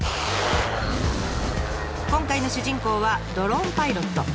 今回の主人公はドローンパイロット。